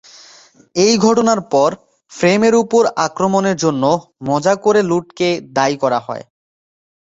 এই ঘটনার পর, ফ্রেমের উপর আক্রমণের জন্য মজা করে লুডকে দায়ী করা হয়।